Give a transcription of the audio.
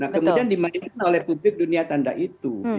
nah kemudian dimainkan oleh publik dunia tanda itu